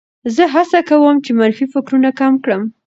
زه هڅه کوم چې منفي فکرونه کم کړم.